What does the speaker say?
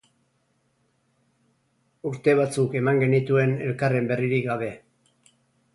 Urte batzuk eman genituen elkarren berririk gabe.